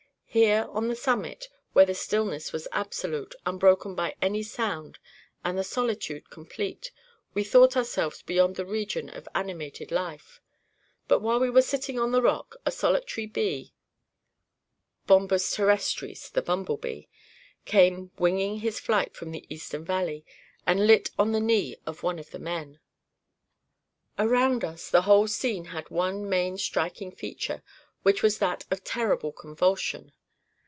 Here, on the summit, where the stillness was absolute, unbroken by any sound, and the solitude complete, we thought ourselves beyond the region of animated life; but while we were sitting on the rock, a solitary bee (bombus terrestris, the humble bee) came winging his flight from the eastern valley, and lit on the knee of one of the men. "'Around us, the whole scene had one main striking feature, which was that of terrible convulsion.